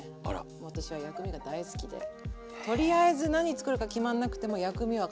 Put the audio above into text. もう私は薬味が大好きでとりあえず何作るか決まんなくても薬味は買っとこうっていう。